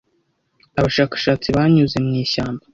Abashakashatsi banyuze mu ishyamba.